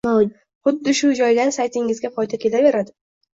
huddi shu joydan saytingizga foyda kelaveradi